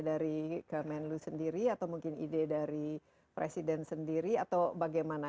dari kemenlu sendiri atau mungkin ide dari presiden sendiri atau bagaimana